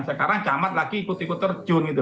sekarang jamat lagi ikut ikut terjun itu